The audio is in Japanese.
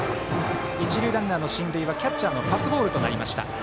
一塁ランナーの進塁はキャッチャーのパスボールとなりました。